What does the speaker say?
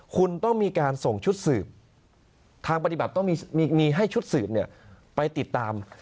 คุณต้องมีการส่งชุดสืบทางปฏิบัติต้องมีให้ชุดสืบไปติดตาม